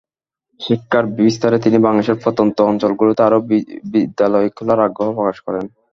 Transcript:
শিক্ষার বিস্তারে তিনি বাংলাদেশের প্রত্যন্ত অঞ্চলগুলোতে আরও বিদ্যালয় খোলার আগ্রহ প্রকাশ করেন।